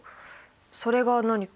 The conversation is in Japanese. それが何か？